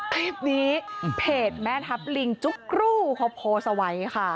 คลิปนี้เพจแม่ทัพลิงจุ๊กกรู่โพสไว้ค่ะ